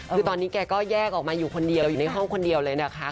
คือตอนนี้แกก็แยกออกมาอยู่คนเดียวอยู่ในห้องคนเดียวเลยนะคะ